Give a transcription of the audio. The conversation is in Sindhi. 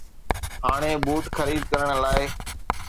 هاڻي بوٽ خريد ڪرڻ لاء.